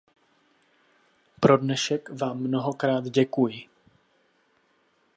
Pro dnešek vám všem mnohokrát děkuji.